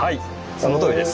そのとおりです。